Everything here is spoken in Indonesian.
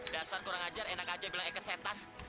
dasar kurang ajar enak aja bilang eike setan